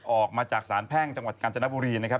ออกมาจากสารแพ่งจังหวัดกาญจนบุรีนะครับ